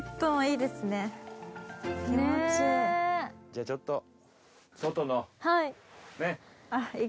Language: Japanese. じゃあちょっと外のねっ。